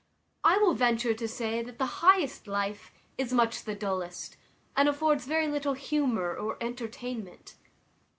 I will venture to say the highest life is much the dullest, and affords very little humour or entertainment.